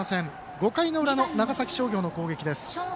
５回の裏の長崎商業の攻撃です。